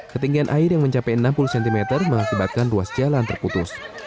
ketinggian air yang mencapai enam puluh cm mengakibatkan ruas jalan terputus